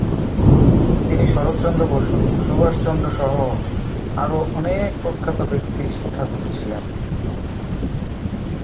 তিনি শরৎচন্দ্র বসু, সুভাষচন্দ্রসহ আরও অনেক প্রখ্যাত ব্যক্তির শিক্ষাগুরু ছিলেন।